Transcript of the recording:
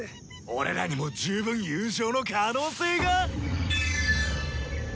俺らにも十分優勝の可能性が。